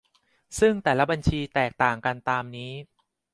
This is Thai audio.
ซึ่งแต่ละบัญชีแตกต่างกันตามนี้